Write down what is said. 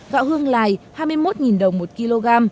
gạo hương lài hai mươi một đồng một kg